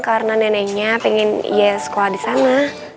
karena neneknya pengen ya sekolah di sana